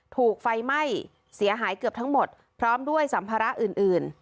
ถูกไฟไหม้เสียหายเกือบทั้งหมดพร้อมด้วยสัมภาระอื่นอื่น